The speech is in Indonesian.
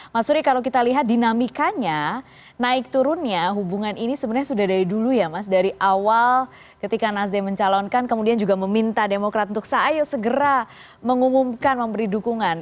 mas suri kalau kita lihat dinamikanya naik turunnya hubungan ini sebenarnya sudah dari dulu ya mas dari awal ketika nasdem mencalonkan kemudian juga meminta demokrat untuk sayo segera mengumumkan memberi dukungan